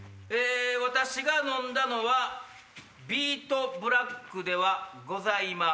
私が飲んだのはビートブラックではございません。